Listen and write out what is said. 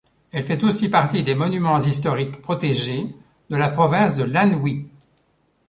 Elle fait aussi partie des monuments historiques protégés de la province de l'Anhui.